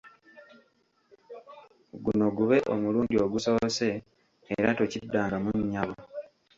Guno gube omulundi ogusoose era tokiddangamu nnyabo.